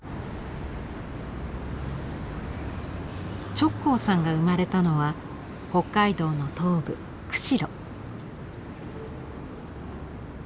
直行さんが生まれたのは北海道の東部釧路。